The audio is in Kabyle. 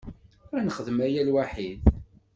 Ad nexdem aya lwaḥid.